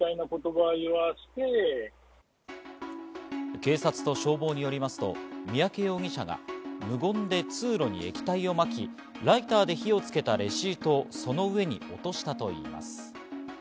警察と消防によりますと三宅容疑者が無言で通路に液体をまき、ライターで火をつけたレシートをその上に落としたといいます。